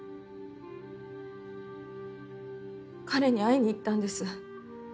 彼に会いに行ったんです。